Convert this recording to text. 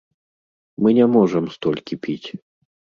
Мы не можам столькі піць!